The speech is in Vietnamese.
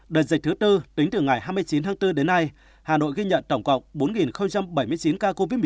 đợt dịch thứ tư tính từ ngày hai mươi chín tháng bốn đến nay hà nội ghi nhận tổng cộng bốn bảy mươi chín ca covid một mươi chín